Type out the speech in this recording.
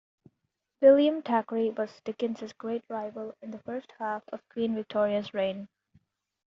William Thackeray was Dickens' great rival in the first half of Queen Victoria's reign.